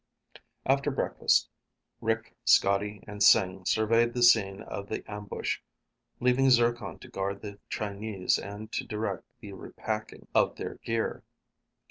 After breakfast, Rick, Scotty, and Sing surveyed the scene of the ambush, leaving Zircon to guard the Chinese and to direct the repacking of their gear.